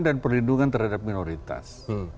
dan perlindungan terhadap minoritas